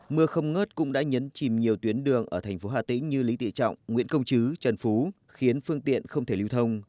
mưa không ngớt cũng đã nhấn chìm nhiều tuyến đường ở thành phố hà tĩnh như lý tự trọng nguyễn công chứ trần phú khiến phương tiện không thể lưu thông